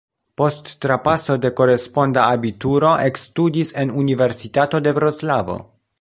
Post trapaso de koresponda abituro ekstudis en Universitato de Vroclavo.